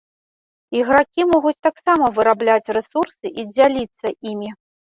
Ігракі могуць таксама вырабляць рэсурсы і дзяліцца імі.